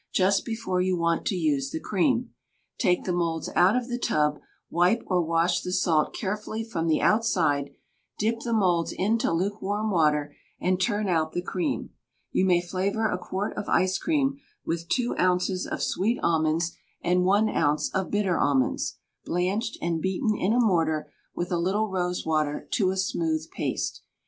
Just before you want to use the cream, take the moulds out of the tub, wipe or wash the salt carefully from the outside, dip the moulds into lukewarm water, and turn out the cream. You may flavor a quart of ice cream with two ounces of sweet almonds, and one ounce of bitter almonds, blanched, and beaten in a mortar with a little rose water to a smooth paste.